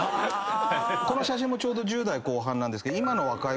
この写真もちょうど１０代後半なんですけど。